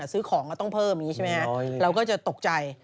ซื้อของก็ต้องเพิ่มเราก็จะตกใจ